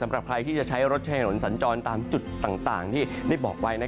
สำหรับใครที่จะใช้รถใช้ถนนสัญจรตามจุดต่างที่ได้บอกไว้